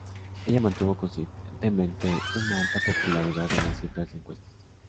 Ella mantuvo consistentemente una alta popularidad en las cifras de encuestas.